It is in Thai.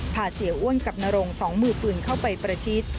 พาเสียอ้วนกับนรงสองมือปืนเข้าไปประชิด